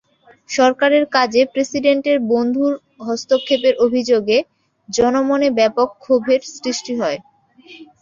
সরকারের কাজে প্রেসিডেন্টের বন্ধুর হস্তক্ষেপের অভিযোগে জনমনে ব্যাপক ক্ষোভের সৃষ্টি হয়।